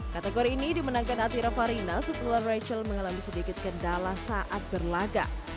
kategori ini dimenangkan atira farina setelah rachel mengalami sedikit kendala saat berlaga